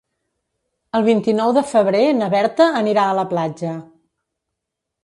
El vint-i-nou de febrer na Berta anirà a la platja.